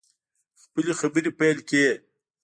خپلې خبرې پیل کړې.